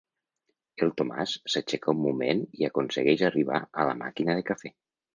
El Tomàs s'aixeca un moment i aconsegueix arribar a la màquina de cafè.